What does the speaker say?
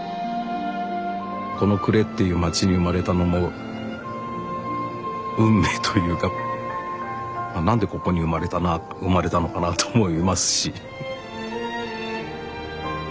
この呉っていう街に生まれたのも運命というか何でここに生まれたのかなと思いますし。